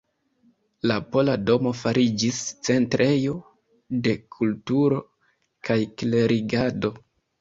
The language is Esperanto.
La Pola domo fariĝis centrejo de kulturo kaj klerigado.